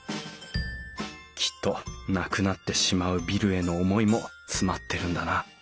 きっとなくなってしまうビルへの思いも詰まってるんだな。